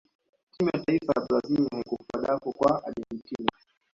timu ya taifa ya brazil haikufua dafu kwa argentina